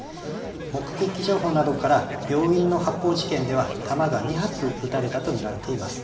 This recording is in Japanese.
目撃情報などから病院の発砲事件では弾が２発撃たれたと見られています。